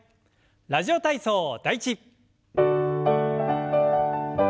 「ラジオ体操第１」。